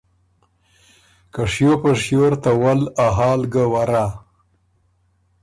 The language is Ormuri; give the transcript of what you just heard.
که شیو په شیو ر ته ول ا حال ګۀ ورا،